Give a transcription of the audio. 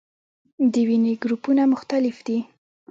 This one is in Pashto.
د وینې ګروپونه مختلف دي